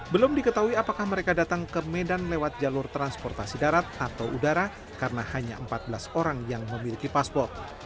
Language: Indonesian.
belum diketahui apakah mereka datang ke medan lewat jalur transportasi darat atau udara karena hanya empat belas orang yang memiliki paspor